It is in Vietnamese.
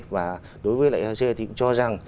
và đối với lại ec thì cũng cho rằng